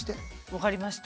分かりました。